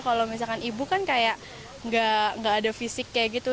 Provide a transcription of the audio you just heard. kalau misalkan ibu kan kayak gak ada fisik kayak gitu